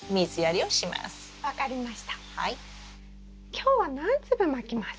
今日は何粒まきますか？